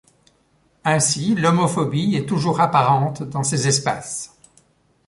Ainsi, l'homophobie est toujours apparente dans ces espaces.